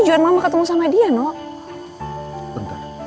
lo akan bayar semua ini